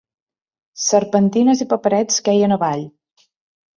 Serpentines i paperets queien avall.